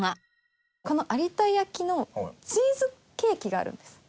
この有田焼のチーズケーキがあるんです。